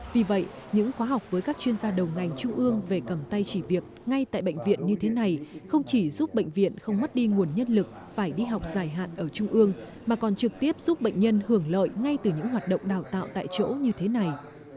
vì vậy những khóa học với các chuyên gia đầu ngành trung ương về cầm tay chỉ việc ngay tại bệnh viện như thế này không chỉ giúp bệnh viện không mất đi nguồn nhân lực phải đi học dài hạn ở trung ương mà còn trực tiếp giúp bệnh nhân hưởng lợi ngay từ những hoạt động đào tạo tại chỗ như thế này